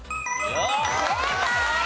正解！